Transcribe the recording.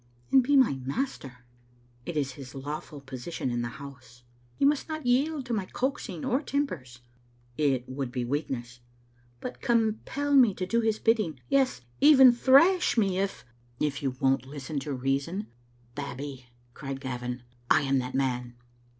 " And be my master." " It is his lawful position in the house." " He must not yield to my coaxing or tempers." "It would be weakness." " But compel me to do his bidding ; yes, even thrash me if " Digitized by VjOOQ IC 176 tfbe Xtttle MnlBtct. " If you won't listen to reason. Babbie," cried Gavin, "I am that man!"